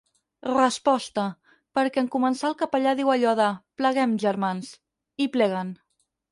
Resposta: perquè en començar el capellà diu allò de "pleguem, germans"; i pleguen.